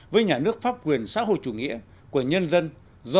với nhà nước pháp quyền công dân thì chúng ta đã được đặt một nền kinh tế kế hoạch hóa